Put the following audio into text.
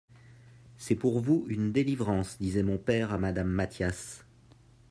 C'est pour vous une delivrance, disait mon pere a Madame Mathias.